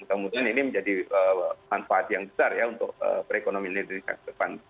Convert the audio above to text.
mudah mudahan ini menjadi manfaat yang besar ya untuk perekonomian indonesia ke depan